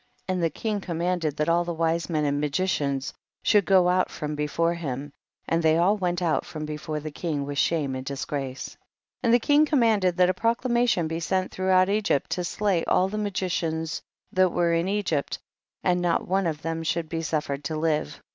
27. And the king commanded that alltlie wise men and magicians should go out from before him, and they all went out from before the king with shame and disgrace. 28. And the king commanded that a proclamation be sent throughout Egypt to slay all the magicians that were in Egypt, and not one of them should be suffered to live.